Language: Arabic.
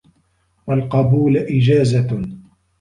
وَالْقَبُولَ إجَازَةٌ